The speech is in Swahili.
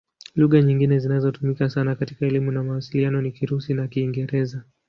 Lugha nyingine zinazotumika sana katika elimu na mawasiliano ni Kirusi na Kiingereza.